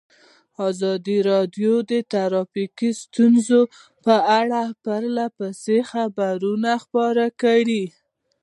ازادي راډیو د ټرافیکي ستونزې په اړه پرله پسې خبرونه خپاره کړي.